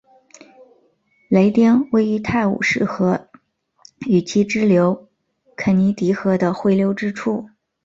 雷丁位于泰晤士河与其支流肯尼迪河的汇流之处。